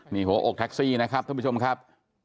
นี่หัวอกแท็กซี่นะครับท่านผู้ชมครับ